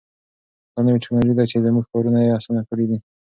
دا نوې تکنالوژي ده چې زموږ کارونه یې اسانه کړي دي.